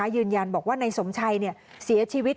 ยืนยันบอกว่านายสมชัยเสียชีวิต